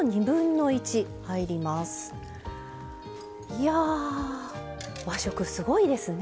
いや和食すごいですね。